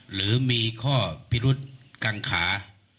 หรือมีข้อพิรุษกังขา